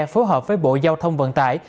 phối hợp với bộ giao thông vận tải